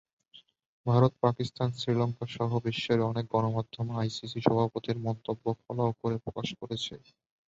ভারত, পাকিস্তান, শ্রীলঙ্কাসহ বিশ্বের অনেক সংবাদমাধ্যম আইসিসি সভাপতির মন্তব্য ফলাও করে প্রকাশ করেছে।